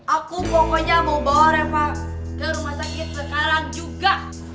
aku pokoknya mau bawa reva ke rumah sakit sekarang juga